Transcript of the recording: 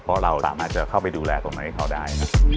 เพราะเราสามารถจะเข้าไปดูแลตรงนั้นให้เขาได้